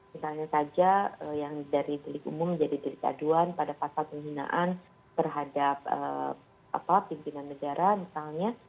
misalnya saja yang dari delik umum menjadi delik aduan pada pasal penghinaan terhadap pimpinan negara misalnya